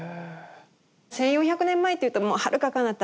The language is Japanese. １，４００年前っていうとはるかかなた